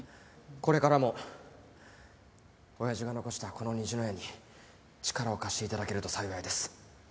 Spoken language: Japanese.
これからも親父が残したこの虹の屋に力を貸して頂けると幸いです。